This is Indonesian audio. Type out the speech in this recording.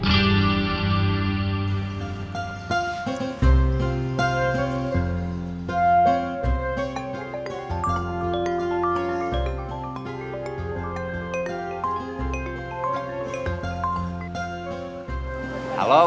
sampai jumpa lagi